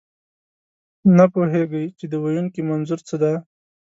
نه پوهېږئ، چې د ویونکي منظور څه دی.